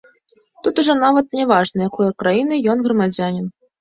Тут ужо нават няважна, якой краіны ён грамадзянін.